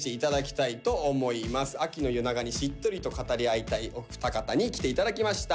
秋の夜長にしっとりと語り合いたいお二方に来て頂きました。